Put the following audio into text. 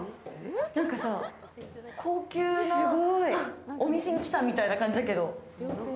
なんかさ、高級なお店に来たみたいな感じだけど。